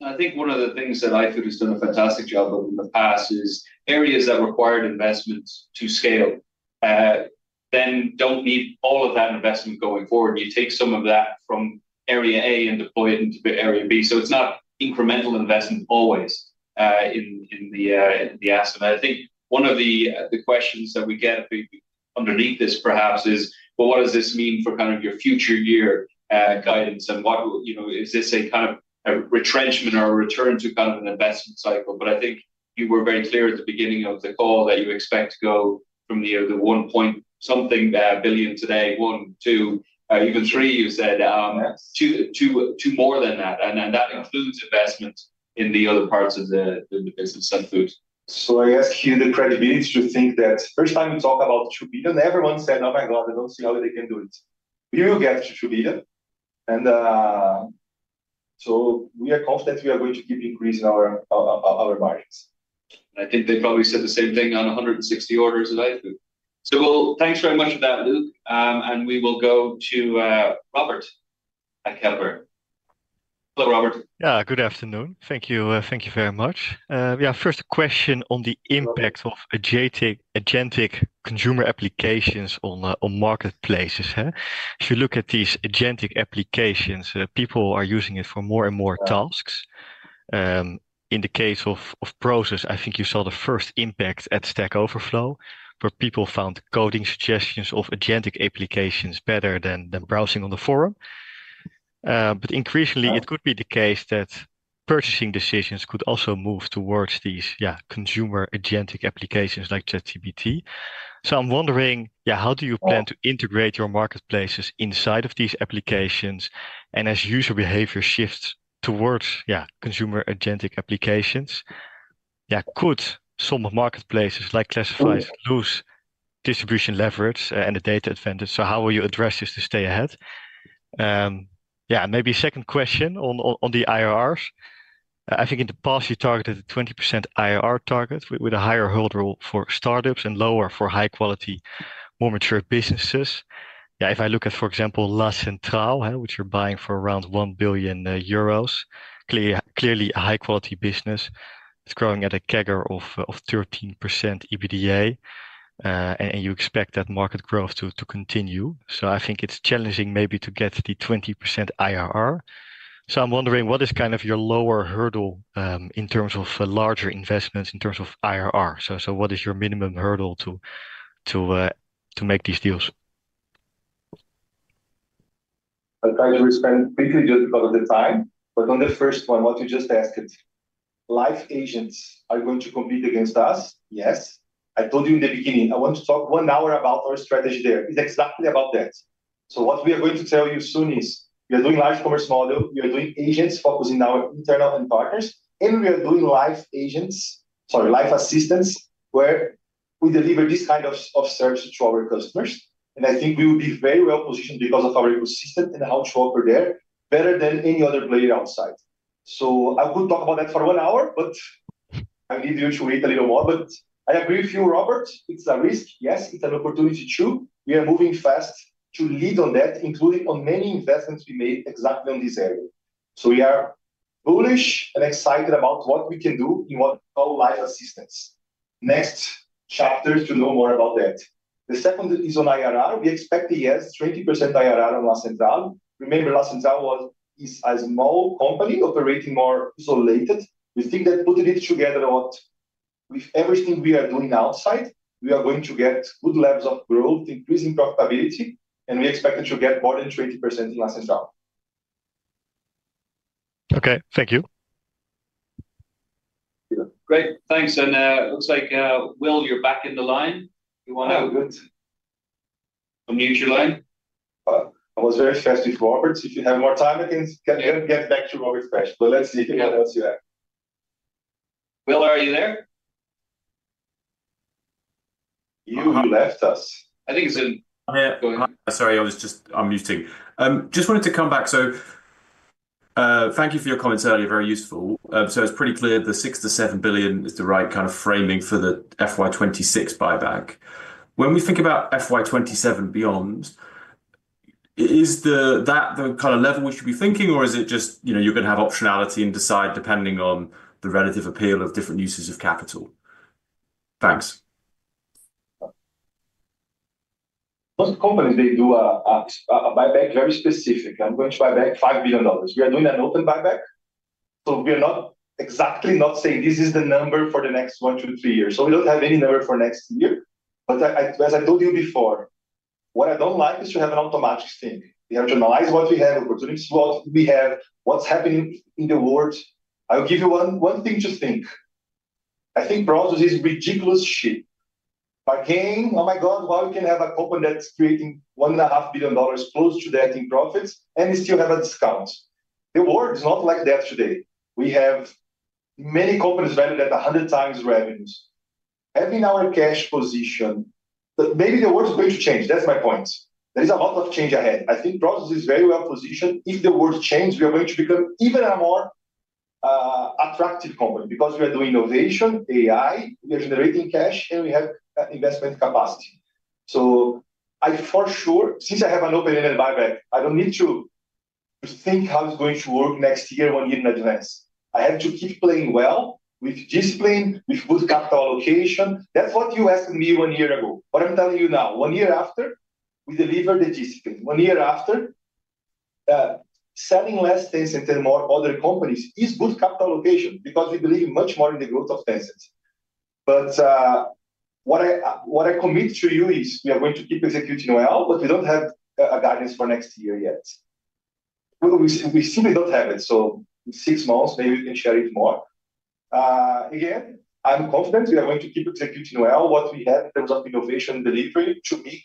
I think one of the things that iFood has done a fantastic job of in the past is areas that required investment to scale then do not need all of that investment going forward. You take some of that from area A and deploy it into area B. It is not incremental investment always in the asset. I think one of the questions that we get underneath this perhaps is, what does this mean for kind of your future year guidance? Is this a kind of retrenchment or a return to kind of an investment cycle? I think you were very clear at the beginning of the call that you expect to go from the $1 billion-something today, $1 billion, $2 billion, even $3 billion, you said, to more than that. That includes investment in the other parts of the business and food. I ask you the credibility to think that first time you talk about 2 billion, everyone said, oh my God, I don't see how they can do it. We will get to 2 billion. We are confident we are going to keep increasing our margins. I think they probably said the same thing on 160 orders of iFood. Thanks very much for that, Luke. We will go to Robert at Caliber. Hello, Robert. Yeah, good afternoon. Thank you very much. Yeah, first question on the impact of agentic consumer applications on marketplaces. If you look at these agentic applications, people are using it for more and more tasks. In the case of Prosus, I think you saw the first impact at Stack Overflow, where people found coding suggestions of agentic applications better than browsing on the forum. Increasingly, it could be the case that purchasing decisions could also move towards these consumer agentic applications like ChatGPT. I am wondering, how do you plan to integrate your marketplaces inside of these applications? As user behavior shifts towards consumer agentic applications, could some of the marketplaces like Classifieds lose distribution leverage and the data advantage? How will you address this to stay ahead? Yeah, maybe a second question on the IRRs. I think in the past, you targeted a 20% IRR target with a higher hold rule for startups and lower for high-quality, more mature businesses. Yeah, if I look at, for example, La Centrale, which you're buying for around 1 billion euros, clearly a high-quality business, it's growing at a CAGR of 13% EBITDA. You expect that market growth to continue. I think it's challenging maybe to get the 20% IRR. I'm wondering, what is kind of your lower hurdle in terms of larger investments in terms of IRR? What is your minimum hurdle to make these deals? Thanks, Riz. Quickly, just because of the time. On the first one, what you just asked, live agents are going to compete against us? Yes. I told you in the beginning, I want to talk one hour about our strategy there. It's exactly about that. What we are going to tell you soon is we are doing large commerce model. We are doing agents focusing on our internal and partners. We are doing live agents, sorry, live assistants, where we deliver this kind of service to our customers. I think we will be very well positioned because of our ecosystem and how to operate there better than any other player outside. I could talk about that for one hour, but I need you to wait a little more. I agree with you, Robert. It's a risk. Yes, it's an opportunity too. We are moving fast to lead on that, including on many investments we made exactly on this area. We are bullish and excited about what we can do in what we call live assistants. Next chapter to know more about that. The second is on IRR. We expect a yes, 20% IRR on La Centrale. Remember, La Centrale is a small company operating more isolated. We think that putting it together with everything we are doing outside, we are going to get good levels of growth, increasing profitability. We expect it to get more than 20% in La Centrale. Okay, thank you. Great. Thanks. It looks like, Will, you're back in the line. Oh, good. Unmute your line. I was very fussy for Robert. If you have more time, I can get back to Robert fresh. Let's see what else you have. Will, are you there? You left us. I think it's in. Sorry, I was just unmuting. Just wanted to come back. Thank you for your comments earlier. Very useful. It is pretty clear the $6 billion-$7 billion is the right kind of framing for the FY2026 buyback. When we think about FY2027 and beyond, is that the kind of level we should be thinking, or is it just you're going to have optionality and decide depending on the relative appeal of different uses of capital? Thanks. Most companies, they do a buyback very specific. I'm going to buy back $5 billion. We are doing an open buyback. We are not exactly not saying this is the number for the next one, two, three years. We do not have any number for next year. As I told you before, what I do not like is to have an automatic thing. We have to analyze what we have, opportunities, what we have, what's happening in the world. I'll give you one thing to think. I think Prosus is ridiculous shit. Bargain, oh my God, how we can have a company that's creating $1.5 billion close to that in profits and still have a discount. The world is not like that today. We have many companies valued at 100 times revenues. Having our cash position, maybe the world is going to change. That's my point. There is a lot of change ahead. I think Prosus is very well positioned. If the world changes, we are going to become even a more attractive company because we are doing innovation, AI, we are generating cash, and we have investment capacity. I for sure, since I have an open-ended buyback, do not need to think how it is going to work next year, one year in advance. I have to keep playing well with discipline, with good capital allocation. That is what you asked me one year ago. What I am telling you now, one year after, we deliver the discipline. One year after, selling less Tencent and more other companies is good capital allocation because we believe much more in the growth of Tencent. What I commit to you is we are going to keep executing well, but we do not have a guidance for next year yet. We simply don't have it. In six months, maybe we can share it more. Again, I'm confident we are going to keep executing well what we have in terms of innovation and delivery to be.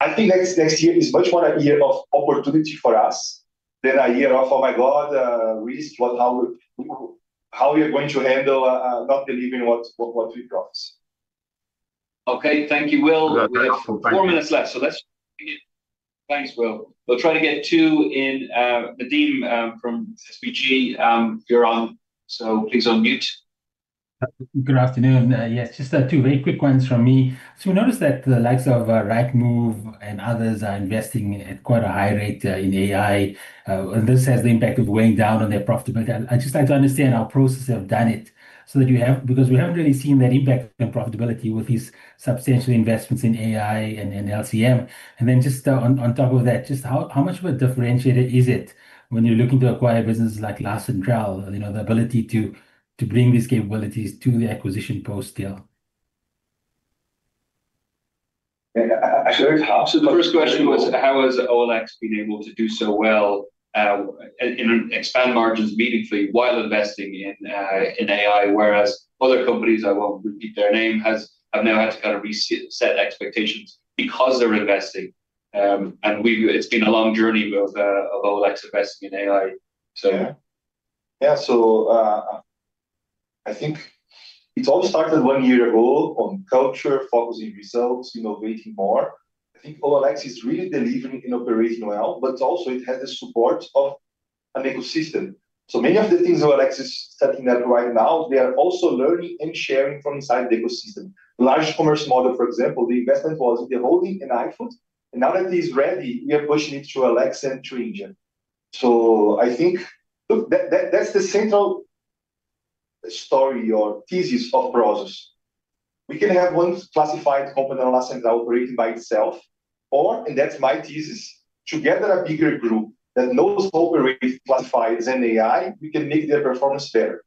I think next year is much more a year of opportunity for us than a year of, oh my God, risk, how we are going to handle not delivering what we promised. Okay, thank you, Will. We have four minutes left. Let's begin it. Thanks, Will. We'll try to get two in. Nadim from SPG, you're on. Please unmute. Good afternoon. Yes, just two very quick ones from me. We noticed that the likes of Rightmove and others are investing at quite a high rate in AI. This has the impact of weighing down on their profitability. I'd just like to understand how Prosus have done it so that you have, because we haven't really seen that impact on profitability with these substantial investments in AI and LCM. Just on top of that, how much of a differentiator is it when you're looking to acquire businesses like La Centrale, the ability to bring these capabilities to the acquisition post still? I should have half. The first question was, how has OLX been able to do so well and expand margins meaningfully while investing in AI, whereas other companies, I won't repeat their name, have now had to kind of reset expectations because they're investing. It's been a long journey with OLX investing in AI. Yeah. So I think it all started one year ago on culture, focusing results, innovating more. I think OLX is really delivering and operating well, but also it has the support of an ecosystem. So many of the things OLX is setting up right now, they are also learning and sharing from inside the ecosystem. Large commerce model, for example, the investment was in the holding in iFood. And now that it is ready, we are pushing it through OLX and through India. I think that's the central story or thesis of Prosus. We can have one classified company on La Centrale, operating by itself, or, and that's my thesis, together a bigger group that knows how to operate classifieds and AI, we can make their performance better.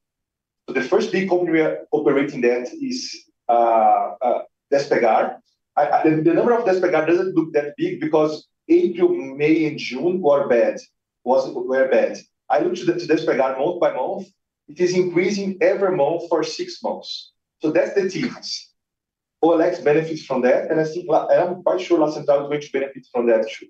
The first big company we are operating that is Despegar. The number of Despegar does not look that big because April, May, and June were bad. I looked at Despegar month by month. It is increasing every month for six months. That is the thesis. OLX benefits from that. I think, and I am quite sure La Centrale is going to benefit from that too.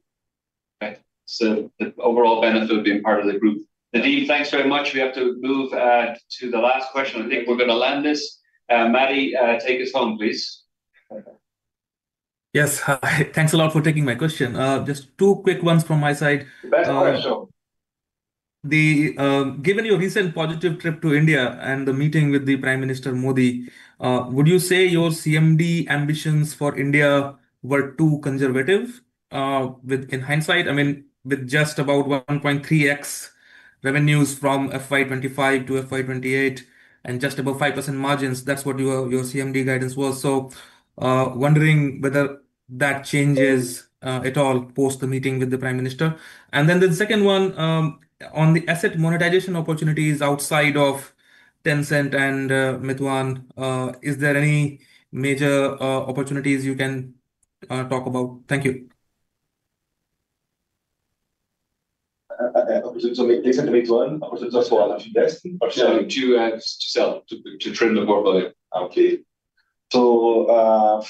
Right. So the overall benefit of being part of the group. Nadim, thanks very much. We have to move to the last question. I think we're going to land this. Maddie, take us home, please. Yes. Thanks a lot for taking my question. Just two quick ones from my side. Best question. Given your recent positive trip to India and the meeting with the Prime Minister Modi, would you say your CMD ambitions for India were too conservative in hindsight? I mean, with just about 1.3x revenues from FY2025 to FY2028 and just above 5% margins, that's what your CMD guidance was. I am wondering whether that changes at all post the meeting with the Prime Minister. The second one, on the asset monetization opportunities outside of Tencent and Meituan, is there any major opportunities you can talk about? Thank you. Opportunities for LCM to sell to trim the portfolio. Okay.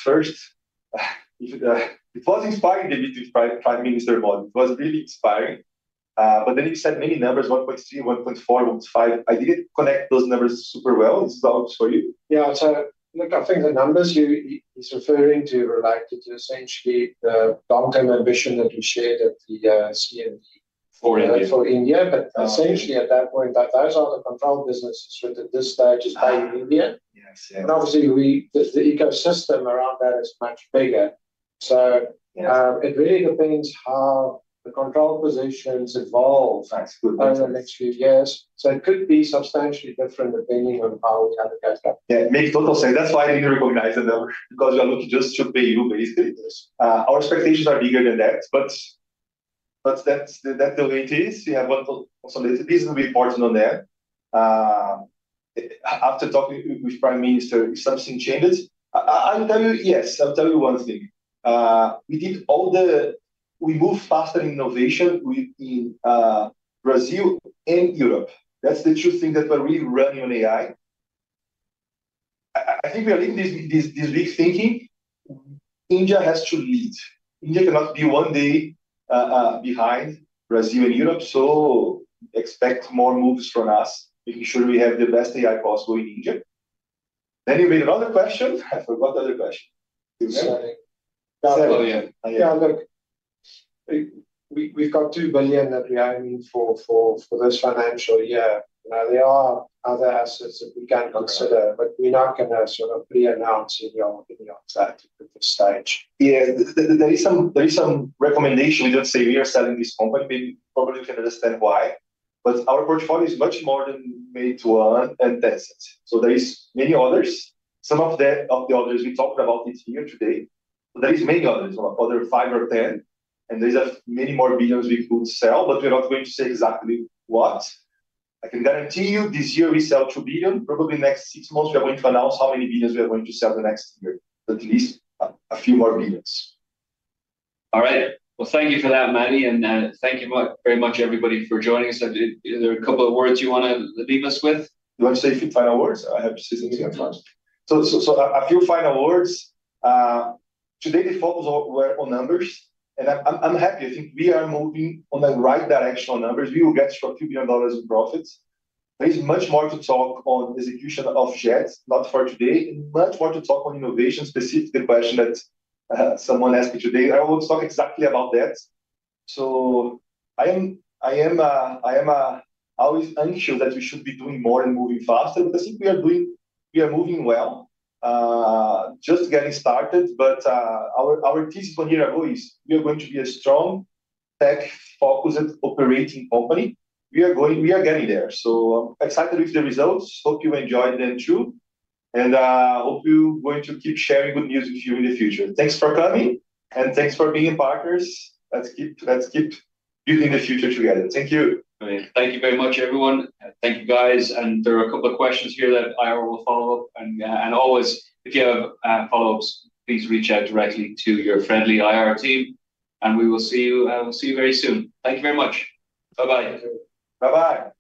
First, it was inspiring to meet with Prime Minister Modi. It was really inspiring. He said many numbers, 1.3, 1.4, 1.5. I did not connect those numbers super well. This is for you. Yeah. Look, I think the numbers he's referring to are related to essentially the long-term ambition that you shared at the CMD for India. Essentially, at that point, those are the controlled businesses with the dispatches by India. Obviously, the ecosystem around that is much bigger. It really depends how the controlled positions evolve over the next few years. It could be substantially different depending on how we have a guys' company. Yeah, it makes total sense. That's why I didn't recognize it because we are looking just to PayU, basically. Our expectations are bigger than that. That's the way it is. Also, this will be important on there. After talking with the Prime Minister, if something changes, I'll tell you, yes, I'll tell you one thing. We did all the, we moved faster in innovation in Brazil and Europe. That's the two things that we're really running on AI. I think we are leaving this big thinking. India has to lead. India cannot be one day behind Brazil and Europe. Expect more moves from us, making sure we have the best AI possible in India. You made another question. I forgot the other question. Yeah, look, we've got $2 billion that we're aiming for this financial year. There are other assets that we can consider, but we're not going to sort of pre-announce in your chat at this stage. Yeah, there is some recommendation. We do not say we are selling this company. Maybe probably you can understand why. Our portfolio is much more than Meituan and Tencent. There are many others. Some of the others we talked about here today. There are many others, other five or ten. There are many more billions we could sell, but we are not going to say exactly what. I can guarantee you this year we sell $2 billion. Probably in the next six months, we are going to announce how many billions we are going to sell the next year. At least a few more billions. All right. Thank you for that, Maddie. Thank you very much, everybody, for joining us. Are there a couple of words you want to leave us with? Do you want to say a few final words? I have to say something at first. A few final words. Today, the focus was on numbers. I am happy. I think we are moving in the right direction on numbers. We will get $2 billion in profits. There is much more to talk on execution of Jet, not for today. Much more to talk on innovation, specifically the question that someone asked me today. I will talk exactly about that. I am always unsure that we should be doing more and moving faster. I think we are moving well, just getting started. Our thesis one year ago is we are going to be a strong tech-focused operating company. We are getting there. I am excited with the results. Hope you enjoyed them too. I hope you're going to keep sharing good news with you in the future. Thanks for coming. Thanks for being partners. Let's keep building the future together. Thank you. Thank you very much, everyone. Thank you, guys. There are a couple of questions here that I will follow up. Always, if you have follow-ups, please reach out directly to your friendly IR team. We will see you very soon. Thank you very much. Bye-bye. Bye-bye.